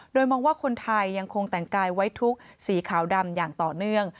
โดยมองว่าคนไทยยังคงแต่งกายไว้ทุกสีขาวดำอย่างต่อเนื่อง